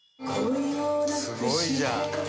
「すごいじゃん！」